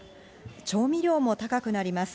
調味料も高くなります。